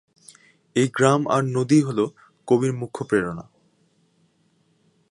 এই গ্রাম আর নদীই হল কবির মুখ্য প্রেরণা।